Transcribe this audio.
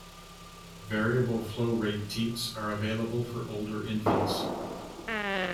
Variable flow rate teats are available for older infants.